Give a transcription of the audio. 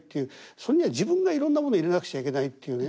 それには自分がいろんなもの入れなくちゃいけないっていうね